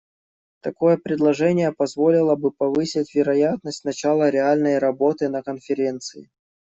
Такое предложение позволило бы повысить вероятность начала реальной работы на Конференции.